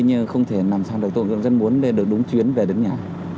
nhưng không thể làm sao để tổn thương dân muốn lên được đúng chuyến về đến nhà